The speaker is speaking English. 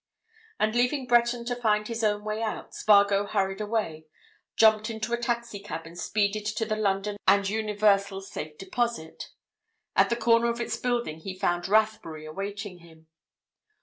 And leaving Breton to find his own way out, Spargo hurried away, jumped into a taxi cab and speeded to the London and Universal Safe Deposit. At the corner of its building he found Rathbury awaiting him.